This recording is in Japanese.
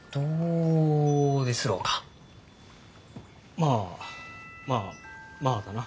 まあまあまあだな。